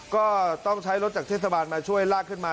ก็ต้องใช้รถจากเทศบาลมาช่วยลากขึ้นมา